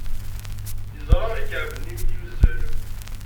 Yeẓra ikɛeb-nni mi d-yuzzel.